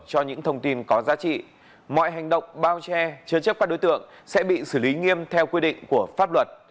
cho những thông tin có giá trị mọi hành động bao che chứa chấp các đối tượng sẽ bị xử lý nghiêm theo quy định của pháp luật